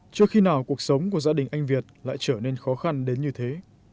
chưa khi nào cuộc sống của gia đình anh việt lại trở nên khó khăn đến như thế